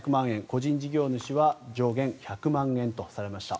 個人事業主は上限１００万円とされました。